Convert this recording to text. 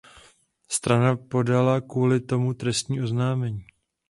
Strana podala kvůli tomu trestní oznámení.